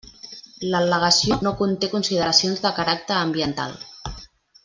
L'al·legació no conté consideracions de caràcter ambiental.